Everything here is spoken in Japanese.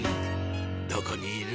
どこにいる？